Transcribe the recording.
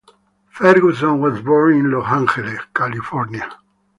Ferguson was born in Los Angeles, California.